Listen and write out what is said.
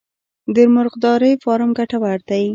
د مرغدارۍ فارم ګټور دی؟